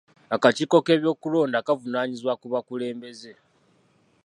Akakiiko k'ebyokulonda kavunaanyizibwa ku bakulembeze.